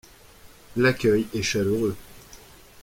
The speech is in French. L’accueil est chaleureux.